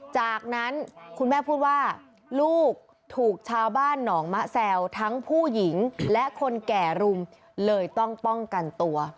จากนั้นคุณแม่พูดว่าลูกถูกชาวบ้านหนองมะแซวทั้งผู้หญิงและคนแก่รุมเลยต้องป้องกันตัว